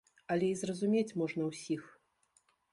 Але і зразумець можна ўсіх.